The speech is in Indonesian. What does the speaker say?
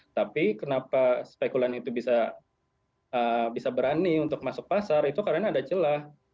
tapi kenapa spekulan itu bisa berani untuk masuk pasar itu karena ada celah